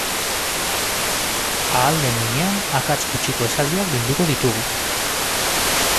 Ahal den heinean akats gutxiko esaldiak bilduko ditugu.